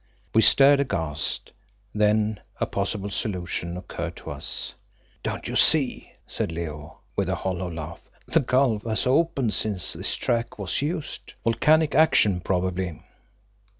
We stared aghast; then a possible solution occurred to us. "Don't you see," said Leo, with a hollow laugh, "the gulf has opened since this track was used: volcanic action probably."